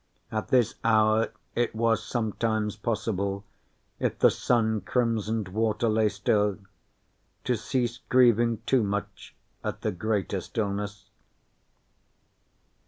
At this hour, it was sometimes possible, if the Sun crimsoned water lay still, to cease grieving too much at the greater stillness.